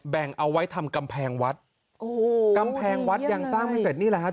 แบ่งเอาไว้ทำกำแพงวัดโอ้โหกำแพงวัดยังสร้างไม่เสร็จนี่แหละฮะ